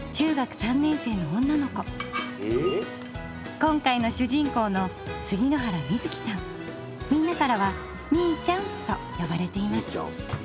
今回の主人公のみんなからはみいちゃんと呼ばれています。